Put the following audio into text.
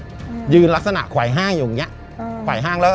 ก็ยืนลักษณะขวายห้างอยู่อย่างเงี้ขวายห้างแล้ว